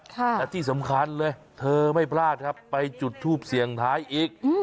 และที่สำคัญเลยเธอไม่พลาดครับไปจุดทูปเสียงท้ายอีก